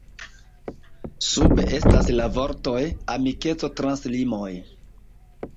Sube estas la vortoj “Amikeco trans limoj”.